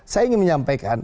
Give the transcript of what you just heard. saya ingin menyampaikan